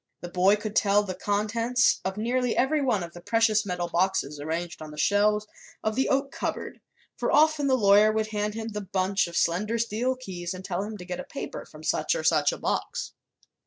The boy could tell the contents of nearly every one of the precious metal boxes arranged on the shelves of the oak cupboard, for often the lawyer would hand him the bunch of slender steel keys and tell him to get a paper from such or such a box.